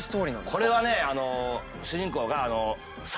これはね主人公が。